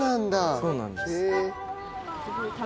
そうなんです。